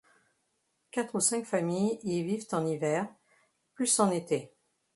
Quatre ou cinq familles y vivent en hiver, plus en été.